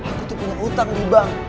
aku tuh punya utang di bank